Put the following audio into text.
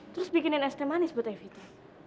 terus bikinin es ke manis buat evita